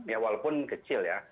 ya walaupun kecil ya